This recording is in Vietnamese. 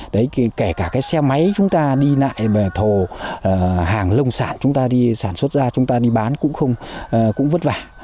đấy kể cả cái xe máy chúng ta đi lại về thổ hàng lông sản chúng ta đi sản xuất ra chúng ta đi bán cũng không vất vả